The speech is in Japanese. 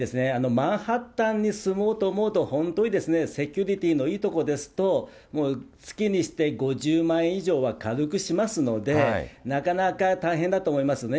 マンハッタンに住もうと思うと、本当にセキュリティーのいいとこですと、月にして５０万円以上は軽くしますので、なかなか大変だと思いますね。